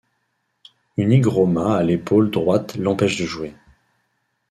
Une hygroma à l'épaule droite l'empêche de jouer.